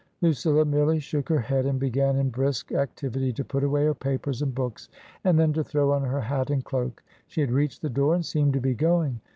Lucilla merely shook her head, and began in brisk activity to put away her papers and books, and then to throw on her hat and cloak. She had reached the door, and seemed to be going.